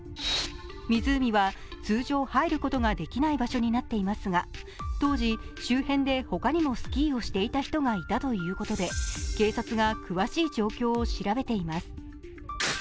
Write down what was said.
湖は、通常入ることができない場所になっていますが当時、周辺で他にもスキーをしていた人がいたということで警察が詳しい状況を調べています。